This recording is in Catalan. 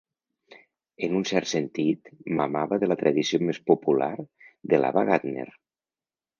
En un cert sentit, mamava de la tradició més popular de l'Ava Gardner.